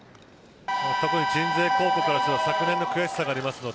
特に鎮西高校からしたら昨年の悔しさがありますので